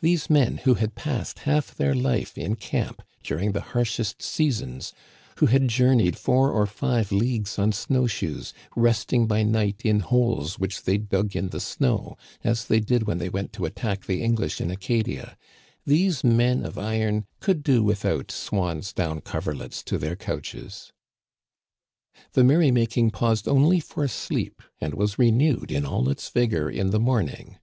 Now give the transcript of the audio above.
These men, who had passed half their life in camp during the harshest seasons ; who had journeyed four or five leagues on snow shoes, rest ing by night in holes which they dug in the snow (as they did when they went to attack the English in Aca dia), these men of iron could do without swan's down coverlets to their couches. The merry making paused only for sleep, and was re newed in all its vigor in the morning.